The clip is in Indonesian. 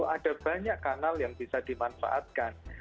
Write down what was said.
ada banyak kanal yang bisa dimanfaatkan